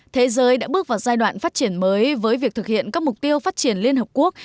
thế giới đã bước vào giai đoạn phát triển mới với việc thực hiện các mục tiêu phát triển liên hợp quốc